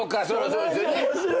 そうですよね。